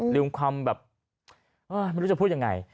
ลืมความแบบไม่รู้จะพูดยังไง